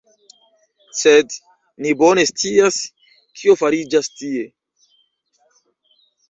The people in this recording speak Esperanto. Sed ni bone scias, kio fariĝas tie.